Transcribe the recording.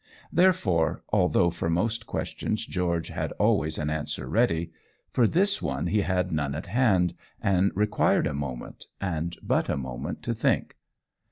Therefore, although for most questions George had always an answer ready, for this he had none at hand, and required a moment, and but a moment, to think.